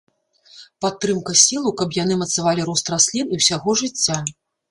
Падтрымка сілаў, каб яны мацавалі рост раслін і ўсяго жыцця.